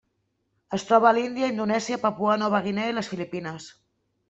Es troba a l'Índia, Indonèsia, Papua Nova Guinea i les Filipines.